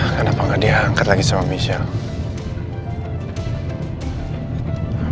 kenapa gak dia angkat lagi sama michelle